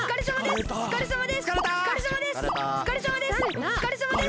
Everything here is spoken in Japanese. おつかれさまです！